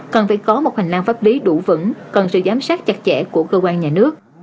còn phải có một hành lang pháp lý đủ vững còn sự giám sát chặt chẽ của cơ quan nhà nước